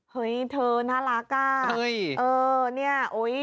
เฮ้ยเธอน่ารักอ่ะ